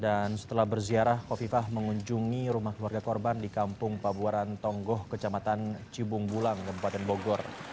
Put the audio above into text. dan setelah berziarah kofifah mengunjungi rumah keluarga korban di kampung pabuaran tonggoh kecamatan kibung bulan kabupaten bogor